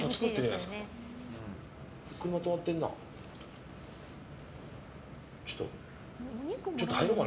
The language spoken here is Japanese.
車止まってるな。